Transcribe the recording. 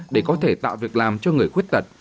để có thể tạo việc làm cho người khuyết tật